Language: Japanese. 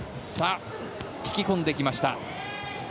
引き込んできました。